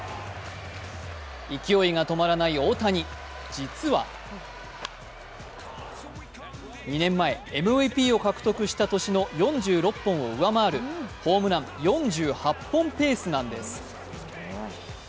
勢いが止まらない大谷、実は２年前、ＭＶＰを獲得した年の４６本を上回るホームラン４８本ペースなんです。